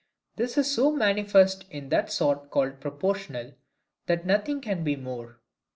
This is so manifest in that sort called proportional, that nothing can be more.